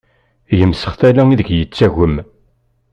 Yemsex tala ideg yettagem!